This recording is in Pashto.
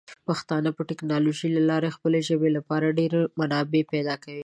پښتانه به د ټیکنالوجۍ له لارې د خپلې ژبې لپاره ډیر منابع پیدا کړي.